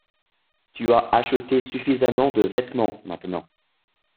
Tu as acheté suffisamment de vêtement maintenant.